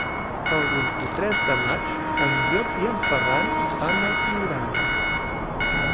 El vint-i-tres de maig en Llop i en Ferran van a Tiurana.